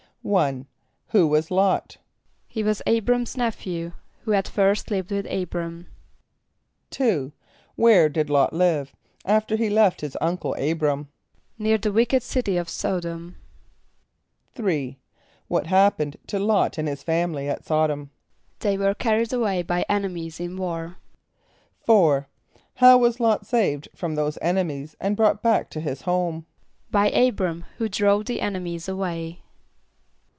=1.= Who was L[)o]t? =He was [=A]´br[)a]m's nephew, who at first lived with [=A]´br[)a]m.= =2.= Where did L[)o]t live, after he left his uncle [=A]´br[)a]m? =Near the wicked city of S[)o]d´om.= =3.= What happened to L[)o]t and his family at S[)o]d´om? =They were carried away by enemies in war.= =4.= How was L[)o]t saved from those enemies and brought back to his home? =By [=A]´br[)a]m, who drove the enemies away.